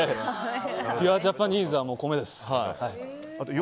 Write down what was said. ピュアジャパニーズは米です。